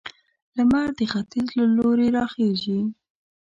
لمر د ختيځ له لوري راخيژي